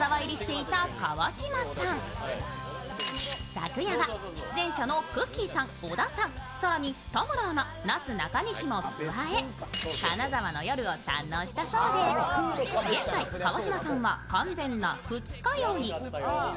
昨夜は出演者のくっきー！さん、小田さん、更に田村アナ、なすなかにしも加え金沢の夜を堪能したそうで、現在、川島さんは完全な二日酔い。